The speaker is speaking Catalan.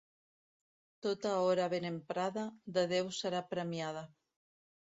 Tota hora ben emprada, de Déu serà premiada.